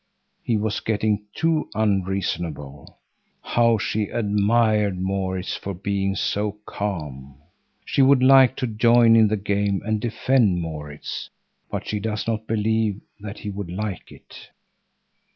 He was getting too unreasonable. How she admired Maurits for being so calm! She would like to join in the game and defend Maurits, but she does not believe that he would like it.